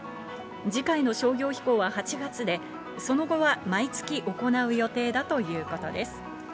次回の商業飛行は８月で、その後は毎月行う予定だということです。